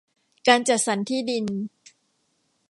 การจัดสรรที่ดิน